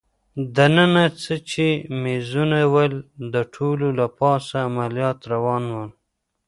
دننه څه چي مېزونه ول، د ټولو له پاسه عملیات روان ول.